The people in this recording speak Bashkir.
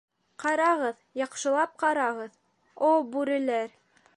— Ҡарағыҙ, яҡшылап ҡарағыҙ, о бүреләр!